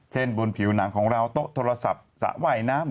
เช่นบริษณีย์ภูมิผิวหนังของเราโต๊ะโทรศัพท์สระไหวน้ำ